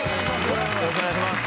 よろしくお願いします。